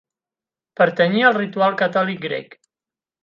Pertanyia al ritual catòlic grec.